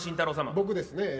僕ですね。